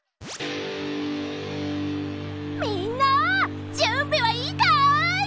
みんなじゅんびはいいかい！